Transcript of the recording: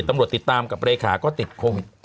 ตำรวจติดตามกับเลขาก็ติดโควิด